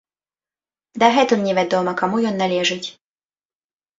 Дагэтуль невядома, каму ён належыць.